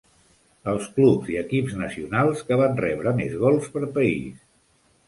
Els Clubs i equips nacionals que van rebre més gols per país.